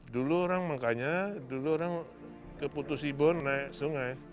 dulu orang makanya dulu orang ke putusibon naik sungai